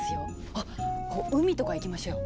あっこう海とか行きましょうよ。